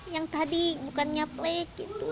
yang tadi bukannya plake gitu